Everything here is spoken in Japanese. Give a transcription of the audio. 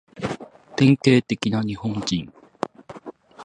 典型的な日本人